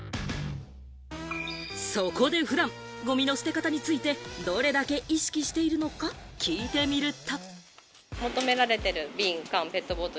そこで普段、ごみの捨て方について、どれだけ意識しているのか聞いてみると。